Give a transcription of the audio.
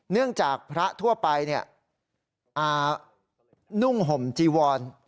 เนื่องจากพระทั่วไปนุ่งห่มจีวร